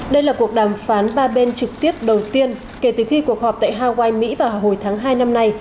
đây là cuộc đàm phán ba bên trực tiếp đầu tiên kể từ khi cuộc họp tại hawaii mỹ vào hồi tháng hai năm nay